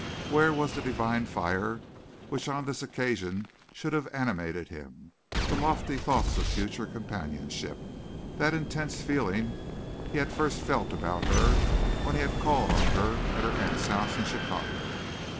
Where was the divine fire which on this occasion should have animated him; the lofty thoughts of future companionship; that intense feeling he had first felt about her when he had called on her at her aunt's house in Chicago?